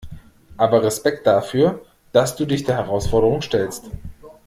Aber Respekt dafür, dass du dich der Herausforderung stellst.